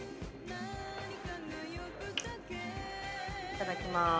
いただきます。